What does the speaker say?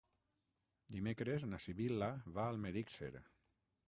Dimecres na Sibil·la va a Almedíxer.